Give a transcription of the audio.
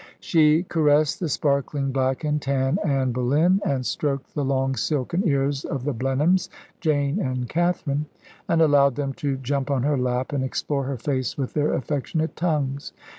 She caressed the sparkling black and tan Anne Boleyn, and stroked the long silken ears of the Blenheims, Jane and Catherine, and allowed them to jump on her lap and explore her face with their affectionate tongues.